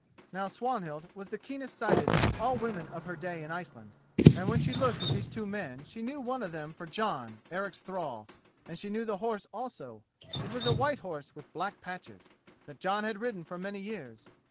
Now Swanhild was the keenest sighted of all women of her day in Iceland, and when she looked at these two men she knew one of them for Jon, Eric's thrall, and she knew the horse also—it was a white horse with black patches, that Jon had ridden for many years.